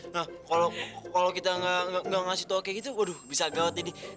nah kalo kita enggak ngasih tau kayak gitu waduh bisa gawat ya di